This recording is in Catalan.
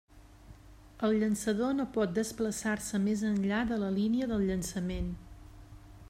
El llançador no pot desplaçar-se més enllà de la línia del llançament.